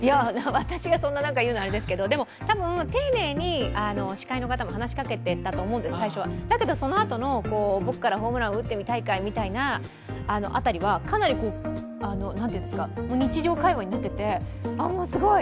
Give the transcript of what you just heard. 私がそんな何か言うのはあれですけど、でも多分、丁寧に司会の方も話しかけてたと思うんです、最初はだけど、そのあとのホームランを打ってみたいかいという辺りはかなり日常会話になっていて、すごい！